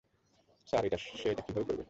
Sir, সে এটা কীভাবে করবে?